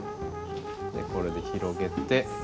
これで広げて。